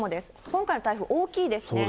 今回の台風、大きいですね。